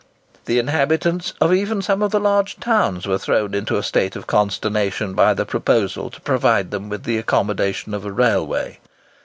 The inhabitants of even some of the large towns were thrown into a state of consternation by the proposal to provide them with the accommodation of a railway.